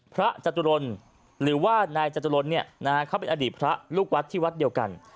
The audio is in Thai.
จตุรนหรือว่านายจตุรนเขาเป็นอดีตพระลูกวัดที่วัดเดียวกัน